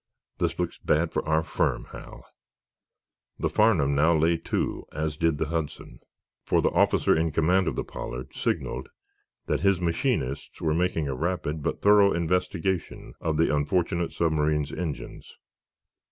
This looks bad for our firm, Hal!" The "Farnum" now lay to, as did the "Hudson," for the officer in command of the "Pollard" signaled that his machinists were making a rapid but thorough investigation of the unfortunate submarine's engines.